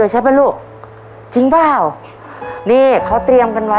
หรอ